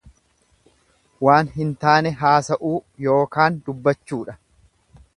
Waan hin taane haasa'uu yookaan dubbachuudha.